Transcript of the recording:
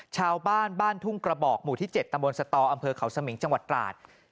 ชาวบ้านบ้านทุ่งกระบอกหมู่ที่๗ตำบลสตออำเภอเขาสมิงจังหวัดตราด